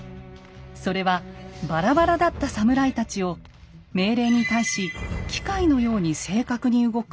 それはバラバラだったサムライたちを命令に対し機械のように正確に動く